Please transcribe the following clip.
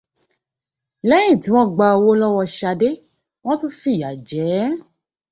Lẹ́yìn tí wọ́n gba owó lọ́wọ́ Ṣadé, wọ́n tún fìyà jẹẹ́.